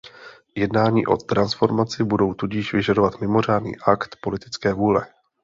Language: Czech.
Jednání o transformaci budou tudíž vyžadovat mimořádný akt politické vůle.